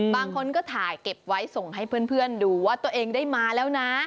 บางคนก็ถ่ายเก็บไว้ส่งให้เพื่อนดูว่าตัวเองได้มาแล้วนะ